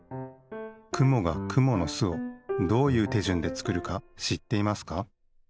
くもがくものすをどういうてじゅんでつくるかしっていますか？